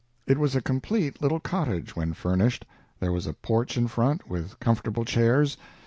It was a complete little cottage, when furnished. There was a porch in front, with comfortable chairs.